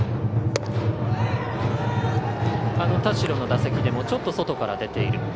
田代の打席でもちょっと外から出ている。